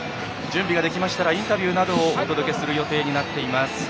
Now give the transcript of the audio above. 準備ができましたらインタビューなどをお届けする予定になっています。